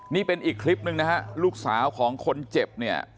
นี่เป็นอีกคลิปนึงลูกสาวของคนเจ็บ